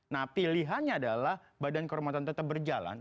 nah pilihannya adalah badan kehormatan tetap berjalan